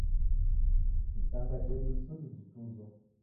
Isanga jedu ni suti jituzo